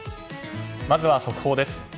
まずは速報です。